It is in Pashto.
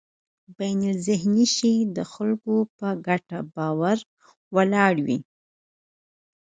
بینالذهني شی د خلکو په ګډ باور ولاړ وي.